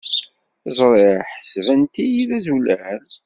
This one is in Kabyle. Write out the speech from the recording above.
Ẓriɣ ḥesbent-iyi d azulal.